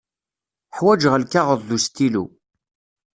Ḥwaǧeɣ lkaɣeḍ d ustilu.